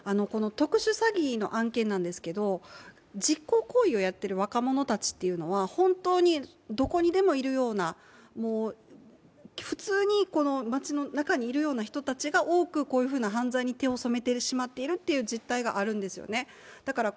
特殊詐欺の案件なんですけど実行行為をやっている若者たちというのは本当にどこにでもいるような普通に街の中にいるような人たちが多く、こういうふうな犯罪に手を染めてしまっているという実態があるんですよね。